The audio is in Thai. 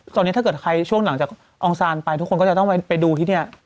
ตอนนี้ถ้าเกิดใครช่วงหลังจากอองซานไปทุกคนก็จะต้องไปดูที่เนี่ย